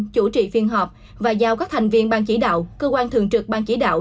chủ trì phiên họp và giao các thành viên ban chỉ đạo cơ quan thường trực ban chỉ đạo